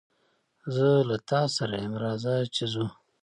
زه له تاسره ېم رازه چې ځو